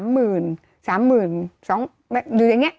หรือยังงั้ย